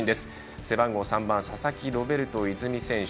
背番号３番は佐々木ロベルト泉選手